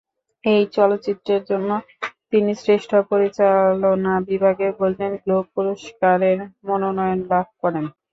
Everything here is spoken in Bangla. এই চলচ্চিত্রের জন্য তিনি শ্রেষ্ঠ পরিচালনা বিভাগে গোল্ডেন গ্লোব পুরস্কারের মনোনয়ন লাভ করেন।